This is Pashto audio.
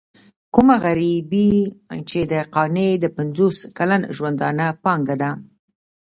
کومه غريبي چې د قانع د پنځوس کلن ژوندانه پانګه ده.